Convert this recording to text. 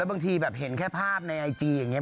บางทีแบบเห็นแค่ภาพในไอจีอย่างนี้